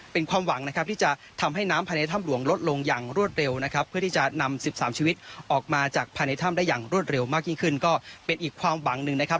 เป็นความหวังนะครับที่จะทำให้น้ำภายในถ้ำหลวงลดลงอย่างรวดเร็วนะครับเพื่อที่จะนำ๑๓ชีวิตออกมาจากภายในถ้ำได้อย่างรวดเร็วมากยิ่งขึ้นก็เป็นอีกความหวังหนึ่งนะครับ